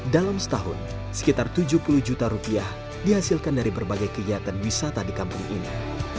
dalam setahun sekitar tujuh puluh juta rupiah dihasilkan dari berbagai kegiatan wisata di kampung ini